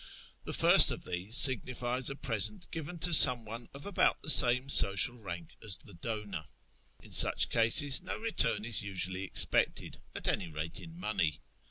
The first of these signifies a present given to some one of about the same social rank as the donor. In such cases no return is usually expected, at any rate in money.